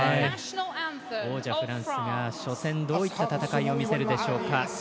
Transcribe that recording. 王者フランスが初戦、どういった戦いを見せるでしょうか。